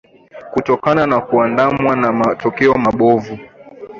kutokana na kuandamwa na matokeo mabovu